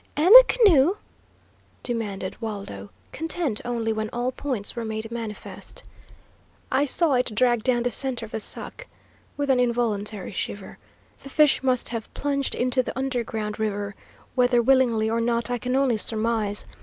"And the canoe?" demanded Waldo, content only when all points were made manifest. "I saw it dragged down the centre of the suck," with an involuntary shiver. "The fish must have plunged into the underground river, whether willingly or not I can only surmise.